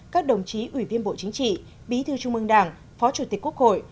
các đồng chí ủy viên bộ chính trị bí thư trung ương đảng phó chủ tịch quốc hội